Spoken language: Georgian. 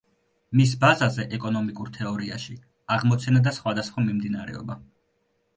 მის ბაზაზე ეკონომიკურ თეორიაში აღმოცენდა სხვადასხვა მიმდინარეობა.